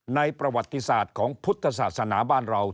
ประวัติศาสตร์ของพุทธศาสนาบ้านเรา